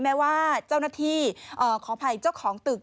แม้ว่าเจ้าหน้าที่ขออภัยเจ้าของตึก